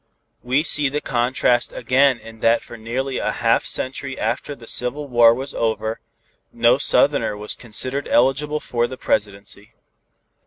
We see the contrast again in that for nearly a half century after the Civil War was over, no Southerner was considered eligible for the Presidency.